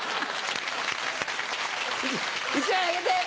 １枚あげて！